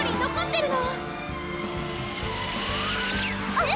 えっ！